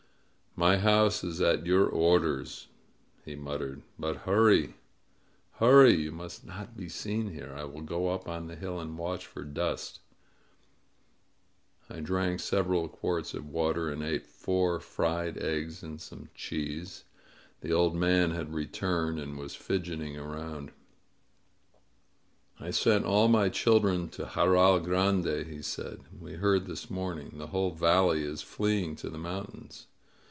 "My house is at your orders," he muttered. "But hurry ! Hurry ! You must not be seen here ! I will go up on the hill and watch for dust !" I drank several quarts of water and ate four fried eggs and some cheese. The old man had returned and was fidgeting aroimd. "I sent all my children to Jarral Grande," he said. "We heard this morning. The whole valley is fleeing to the mountains.